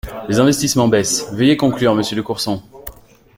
Les investissements baissent… Veuillez conclure, monsieur de Courson.